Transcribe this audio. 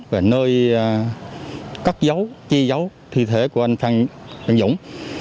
về nơi cắt giấu chi giấu thi thể của anh phan văn dũng